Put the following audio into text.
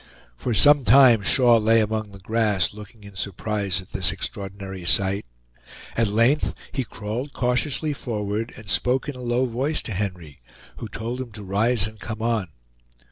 For some time Shaw lay among the grass, looking in surprise at this extraordinary sight; at length he crawled cautiously forward, and spoke in a low voice to Henry, who told him to rise and come on.